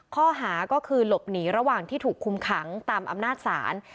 ข้อหาก็คือหลบหนีระหว่างที่ถูกคุมขังตามอำนาจศาล